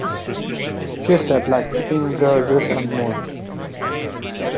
She saids like Chicken gurgles and more?